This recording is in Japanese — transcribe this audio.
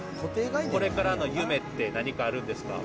これからの夢って何かあるんですか。